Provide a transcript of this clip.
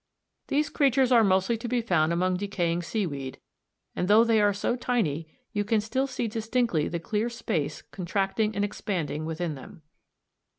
These creatures are mostly to be found among decaying seaweed, and though they are so tiny, you can still see distinctly the clear space (cv) contracting and expanding within them.